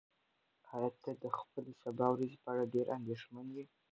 ایا ته د خپلې سبا ورځې په اړه ډېر اندېښمن یې؟